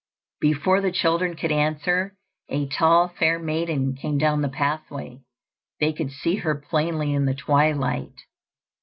Before the children could answer, a tall fair maiden came down the pathway. They could see her plainly in the twilight.